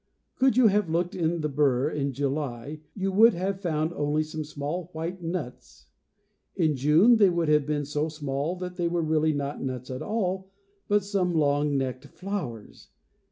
Could you have looked in the bur in July, you would have found only some small white nuts (Fig. 4). In June they would have been so small 5. Leaf and Catkins. that they were really not nuts at all but some long necked flowers.